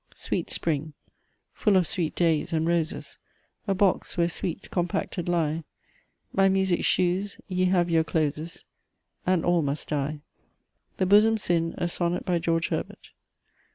Sweet spring, full of sweet days and roses, A box, where sweets compacted lie My music shews, ye have your closes, And all must die. THE BOSOM SIN: A SONNET BY GEORGE HERBERT.